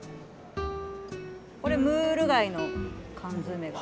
これムール貝の缶詰です。